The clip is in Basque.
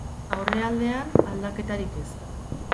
Aurrealdean, aldaketarik ez.